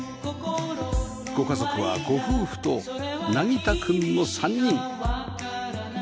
ご家族はご夫婦と凪汰くんの３人